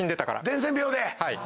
伝染病で。